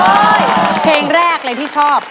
แล้ววันนี้ผมมีสิ่งหนึ่งนะครับเป็นตัวแทนกำลังใจจากผมเล็กน้อยครับ